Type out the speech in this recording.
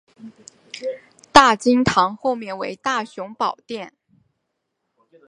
大经堂后面为大雄宝殿。